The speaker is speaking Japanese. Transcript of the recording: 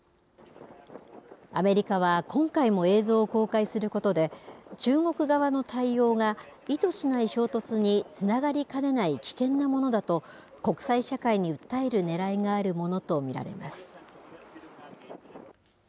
アメリカは今回も映像を公開することで、中国側の対応が、意図しない衝突につながりかねない危険なものだと、国際社会に訴えるねらいがあるものと見られます。